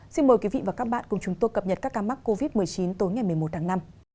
xin mời quý vị và các bạn cùng chúng tôi cập nhật các ca mắc covid một mươi chín tối ngày một mươi một tháng năm